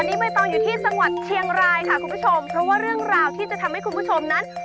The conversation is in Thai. วันนี้ใบตองอยู่ที่จังหวัดเชียงรายค่ะคุณผู้ชมเพราะว่าเรื่องราวที่จะทำให้คุณผู้ชมนั้น